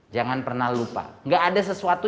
jangan pernah lupa nggak ada sesuatu